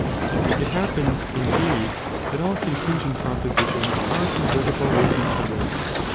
It hap I P^"^ indeed, that all contingent propositions are ni»i°oii! CB convertible with each other.